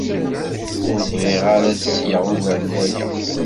Ur bɣiɣ ara ad sleɣ ugar n waya!